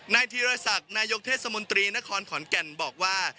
ธีรศักดิ์นายกเทศมนตรีนครขอนแก่นบอกว่า